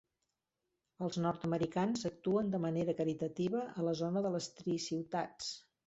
Els nord-americans actuen de manera caritativa a la zona de les Tri-ciutats.